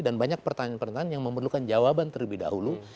dan banyak pertanyaan pertanyaan yang memerlukan jawaban terlebih dahulu